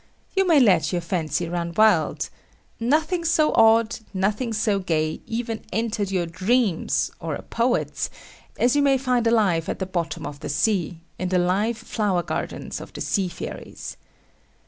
You may let your fancy run wild. Nothing so odd, nothing so gay, even entered your dreams, or a poet's, as you may find alive at the bottom of the sea, in the live flower gardens of the sea fairies.